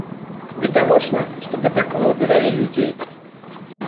Відавочна, што дапякло, давялі людзей.